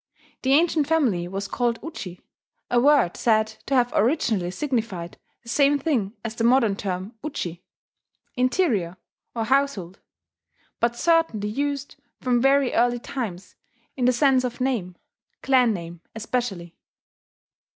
The ancient family was called uji, a word said to have originally signified the same thing as the modern term uchi, "interior," or "household," but certainly used from very early times in the sense of "name" clan name especially.